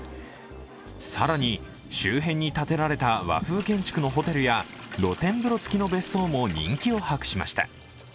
更に、周辺に建てられた和風建築のホテルや露天風呂つきの別荘も人気を博しました。